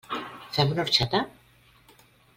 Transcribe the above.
Fem una orxata?